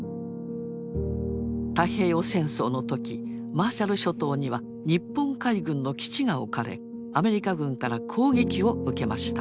太平洋戦争の時マーシャル諸島には日本海軍の基地が置かれアメリカ軍から攻撃を受けました。